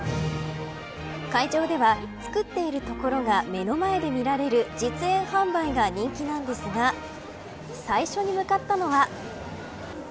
会場では作っているところが目の前で見られる実演販売が人気なんですが最初に向かったのは。